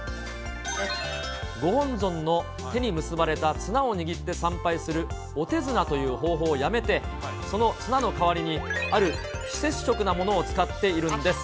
ご本尊の手に結ばれた綱を握って参拝するお手綱という方法をやめて、その綱の代わりに、ある非接触なものを使っているんです。